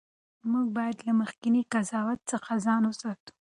موږ باید له مخکني قضاوت څخه ځان وساتو.